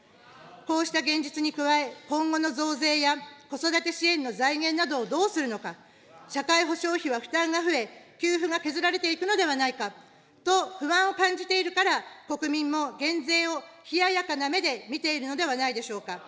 こうした現実に加え、今後の増税や子育て支援の財源などをどうするのか、社会保障費は負担が増え、給付が削られていくのではないかと不安を感じているから、国民も減税を冷ややかな目で見ているのではないでしょうか。